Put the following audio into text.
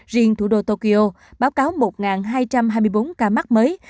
riêng thủ đô tokyo báo cáo một hai trăm hai mươi bốn ca mắc mới